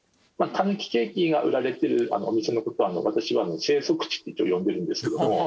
たぬきケーキが売られてるお店の事を私は「生息地」と呼んでるんですけども。